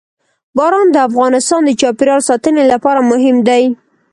باران د افغانستان د چاپیریال ساتنې لپاره مهم دي.